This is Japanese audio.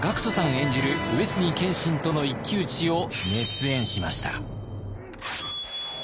演じる上杉謙信との一騎打ちを熱演しました。